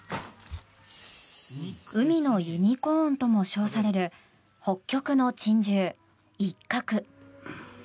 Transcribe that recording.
海のユニコーンとも称される北極の珍獣、イッカク。